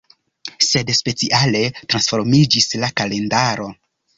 Sed speciale transformiĝis la kalendaro.